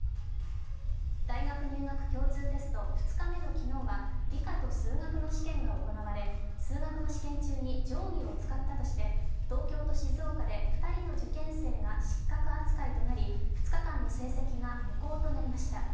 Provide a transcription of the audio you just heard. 大学入学共通テスト２日目の昨日は理科と数学の試験が行われ、数学の試験中に定規を使ったとして東京と静岡で２人の受験生が失格扱いとなり、２日間の成績が無効となりました。